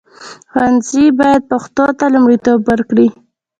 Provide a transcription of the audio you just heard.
ښوونځي باید پښتو ته لومړیتوب ورکړي.